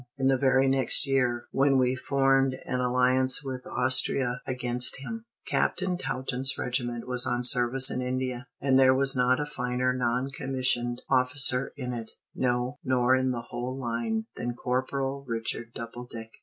In the very next year, when we formed an alliance with Austria against him. Captain Taunton's regiment was on service in India. And there was not a finer non commissioned officer in it, no, nor in the whole line, than Corporal Richard Doubledick.